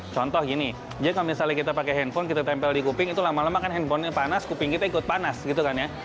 contoh gini jadi kalau misalnya kita pakai handphone kita tempel di kuping itu lama lama kan handphonenya panas kuping kita ikut panas gitu kan ya